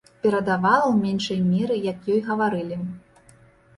Перадавала ў меншай меры, як ёй гаварылі.